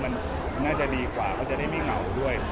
มันน่าจะดีกว่าเขาจะได้ไม่เหงาด้วย